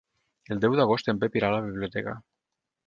El deu d'agost en Pep irà a la biblioteca.